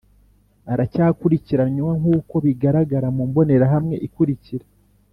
Aracyakurikiranwa nk’uko bigaragara mu mbonerahamwe ikurikira